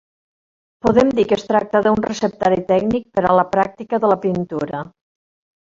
Podem dir que es tracta d'un receptari tècnic per a la pràctica de la pintura.